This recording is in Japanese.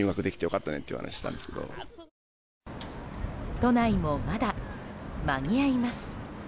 都内も、まだ間に合います。